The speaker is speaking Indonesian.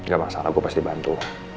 gak masalah gue pasti bantu